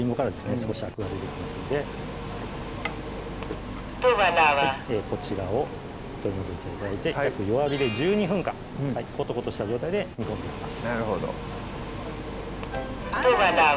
少しあくが出てきますのでこちらを取り除いて頂いて約弱火で１２分間コトコトした状態で煮込んでいきます